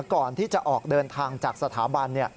ก่อนที่จะออกเดินทางจากสถาบัน